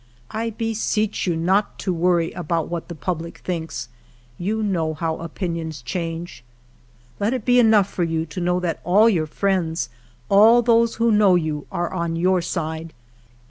" I beseech you not to worry about what the public thinks. You know how opinions change. ... Let it be enough for you to know that all your friends, all those who know you, are on your side.